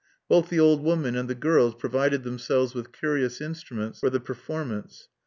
Both the old woman and the girls provided themselves with curious instruments for the performance.